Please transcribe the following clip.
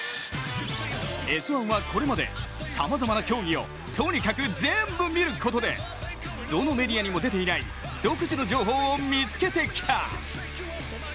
「Ｓ☆１」はこれまでさまざまな競技をとにかくぜんぶ見ることでどのメディアにも出ていない独自の情報を見つけてきた。